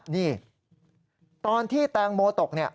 นี่ตอนที่แตงโมตก